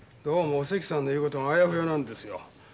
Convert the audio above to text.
どうもおせきさんの言う事があやふやなんですよ。